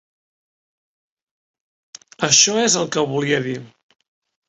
Això és el que volia dir.